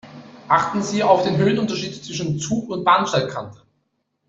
Achten Sie auf den Höhenunterschied zwischen Zug und Bahnsteigkante.